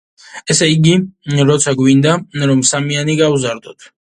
ესე იგი, როცა გვინდა, რომ სამიანი გავზარდოთ.